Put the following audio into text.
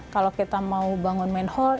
kalau kita mau bangun manhole